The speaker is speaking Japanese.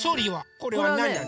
これはなんなの？